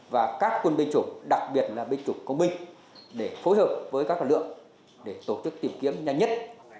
và các quân binh chủ đặc biệt là binh chủ công binh để phối hợp với các lượng để tổ chức tìm kiếm nhanh nhất